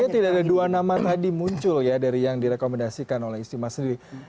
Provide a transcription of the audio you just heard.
artinya tidak ada dua nama tadi muncul ya dari yang direkomendasikan oleh istimewa sendiri